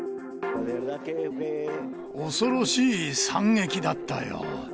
恐ろしい惨劇だったよ。